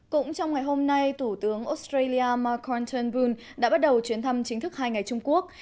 cũng trong ngày hôm nay thủ tướng australia mikengbul đã bắt đầu chuyến thăm chính thức hai ngày trung quốc